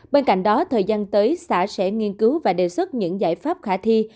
bên cạnh đó thời gian tới xã sẽ nghiên cứu và đề xuất những giải pháp khả thi